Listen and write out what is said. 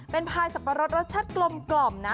เป็นพายสับปะรดรสชาติกลมนะ